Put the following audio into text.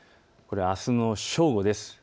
これはあすの正午です。